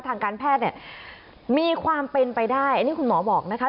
ทางการแพทย์เนี่ยมีความเป็นไปได้อันนี้คุณหมอบอกนะคะ